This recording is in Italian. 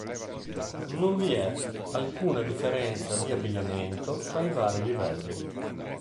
Non vi è alcuna differenza di abbigliamento tra i vari livelli.